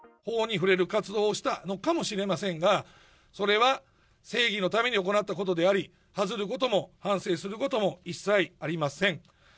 法に触れる活動をしたのかもしれませんが、それは正義のために行ったことであり、恥じることも、反省することも一切ありません。